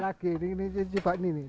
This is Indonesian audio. lebih berat lagi ini coba ini